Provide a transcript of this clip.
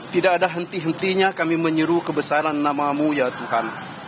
tidak ada henti hentinya kami menyuruh kebesaran namamu ya tuhan